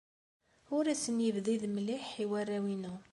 Ur asen-yebdid mliḥ i warraw-inu.